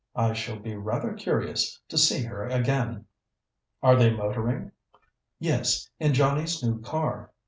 I shall be rather curious to see her again." "Are they motoring?" "Yes, in Johnnie's new car."